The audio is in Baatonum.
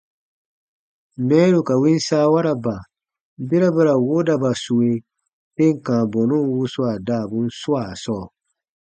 Mɛɛru ka win saawaraba, bera ba ra woodaba sue tem kãa bɔnun wuswaa daabun swaa sɔɔ.